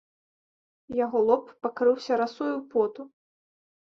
Яго лоб пакрыўся расою поту.